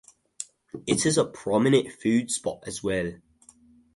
It is a prominent food spot as well.